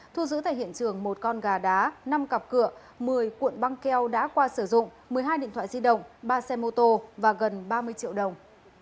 thu giữ tại hiện trường một con gà đá năm cặp cửa một mươi cuộn băng keo đã qua sử dụng một mươi hai điện thoại di động ba xe mô tô và gần ba mươi triệu đồng